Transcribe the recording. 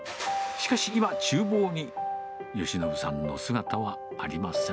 しかし今、ちゅう房に義信さんの姿はありません。